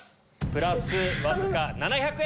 プラスわずか７００円。